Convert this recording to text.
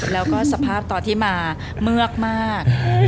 แล้วก็สภาพตอนที่มาเมือกมาก